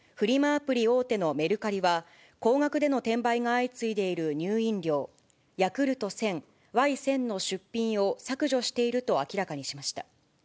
アプリ大手のメルカリは、高額での転売が相次いでいる乳飲料、Ｙａｋｕｌｔ１０００、Ｙ１０００の出品を削除していると明らかにしました。